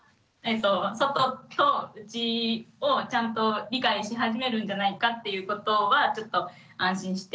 外と内をちゃんと理解し始めるんじゃないかっていうことはちょっと安心して。